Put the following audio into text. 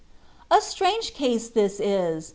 A strange case this is !